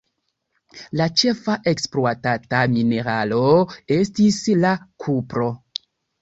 La ĉefa ekspluatata mineralo estis la kupro.